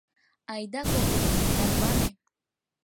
Айда, Когось, тарване...